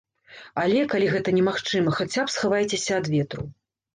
Але, калі гэта немагчыма, хаця б схавайцеся ад ветру.